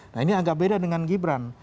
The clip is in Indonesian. nah ini agak beda dengan gibran